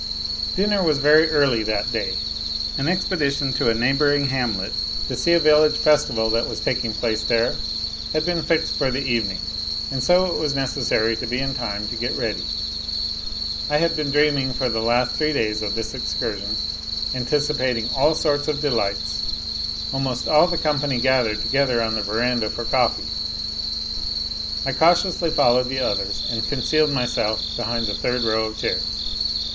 Dinner was very early that day. An expedition to a neigh bouring hamlet to see a village festival that was taking place there had been fixed for the evening, and so it was necessary to be in time to get ready. I had been dreaming for the last three days of this excursion, anticipating all sorts of delights. Almost all the company gathered together on the verandah for coffee. I cautiously followed the others and concealed myself behind the third row of chairs.